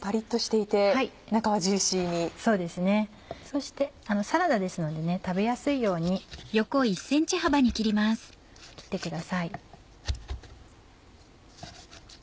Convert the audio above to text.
そしてサラダですので食べやすいように切ってください。